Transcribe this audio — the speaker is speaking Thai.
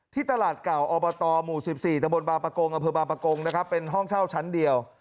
ที่ตลาดเก่าออหมู่๑๔ตบบาปากงเป็นห้องเช่าชั้นเดียว